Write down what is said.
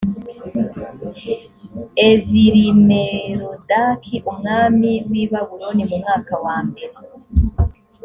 evilimerodaki umwami w i babuloni mu mwaka wambere